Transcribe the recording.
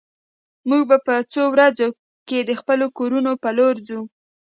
موږ به په څو ورځو کې د خپلو کورونو په لور ځو